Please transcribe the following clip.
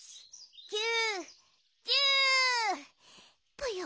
ぽよ？